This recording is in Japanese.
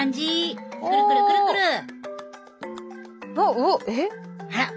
うおっ！えっ？